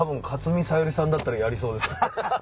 かつみ♥さゆりさんだったらやりそうですね。